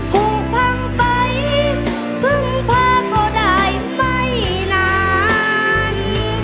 ผูกพังไปพึ่งพาเขาได้ไม่นาน